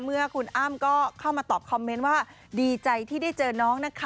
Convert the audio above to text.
เมื่อคุณอ้ำก็เข้ามาตอบคอมเมนต์ว่าดีใจที่ได้เจอน้องนะคะ